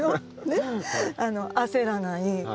焦らない。